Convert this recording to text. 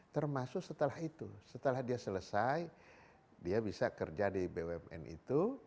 termasuk setelah itu setelah dia selesai dia bisa kerja di bumn itu